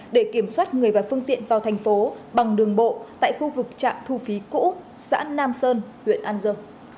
để kiểm soát người và phương tiện vào thành phố bằng đường bộ tại khu vực trạm thu phí cũ xã nam sơn huyện an dương